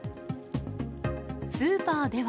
スーパーでは。